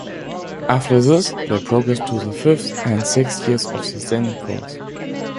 After this, they progress to the fifth and sixth years of the standard course.